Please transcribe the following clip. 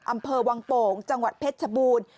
อำเภอวังโป่งจังหวัดเพชรชบูรณ์